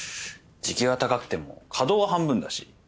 時給は高くても稼働は半分だし。